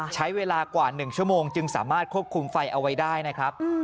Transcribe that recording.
ใช้เวลากว่า๑ชั่วโมงจึงสามารถควบคุมไฟเอาไว้ได้นะครับ